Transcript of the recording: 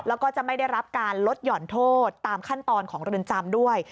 แล้วก็จะไม่ได้รับการลดห่อนโทษตามขั้นตอนของเรือนจำด้วย